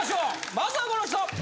まずはこの人！